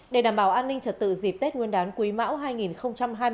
để đảm bảo an ninh trật tự dịp tết nguyên đán quý mão hai nghìn hai mươi bốn